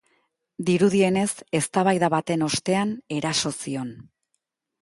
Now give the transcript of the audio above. Dirudienez, eztabaida baten ostean eraso zion.